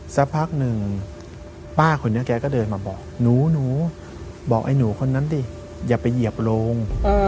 สักพักหนึ่งป้าคนนี้แกก็เดินมาบอกหนูบอกไอ้หนูคนนั้นดิอย่าไปเหยียบโรง